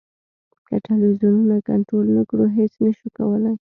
که ټلویزیونونه کنټرول نه کړو هېڅ نه شو کولای.